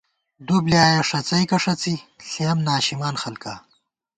دُو بۡلیایا ݭَڅَئیکہ ݭَڅی ݪېیَم ناشِمان خلکا